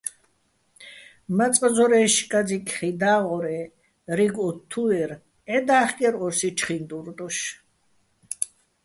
მაწყ ზორაჲში̆ კაძიკ ხი და́ღორ-ე რიგ ოთთუ́ერ, ჺედა́ხკერ ო́სი ჩხინდურ დოშ.